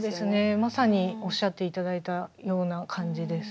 まさにおっしゃって頂いたような感じです。